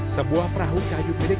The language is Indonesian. sebuah perahu kayu piring